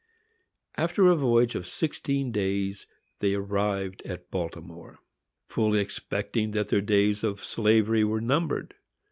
After a voyage of sixteen days, they arrived at Baltimore, fully expecting that their days of slavery were numbered.